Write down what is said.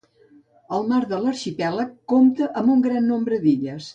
El Mar de l'Arxipèlag compta amb un gran nombre d'illes.